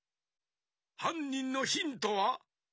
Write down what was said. はんにんのヒントは？